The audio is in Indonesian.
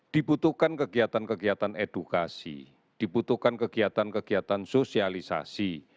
dibutuhkan kegiatan kegiatan edukasi dibutuhkan kegiatan kegiatan sosialisasi